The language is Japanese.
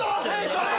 それ！